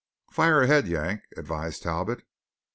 "Fire ahead, Yank," advised Talbot.